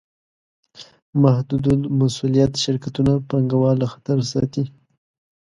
محدودالمسوولیت شرکتونه پانګهوال له خطره ساتي.